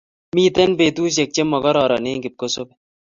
miten betushiek che makararan en kipkosabe.